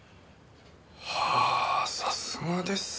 はあさすがですね。